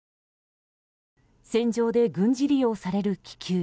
戦場で軍事利用される気球。